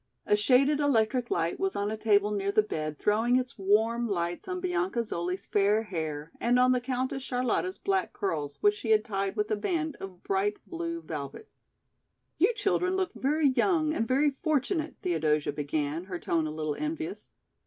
A shaded electric light was on a table near the bed throwing its warm lights on Bianca Zoli's fair hair and on the Countess Charlotta's black curls which she had tied with a band of bright blue velvet. "You children look very young and very fortunate," Theodosia began, her tone a little envious.